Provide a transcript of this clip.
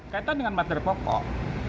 kaitan dengan materi pokok